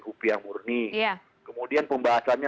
upiah murni kemudian pembahasannya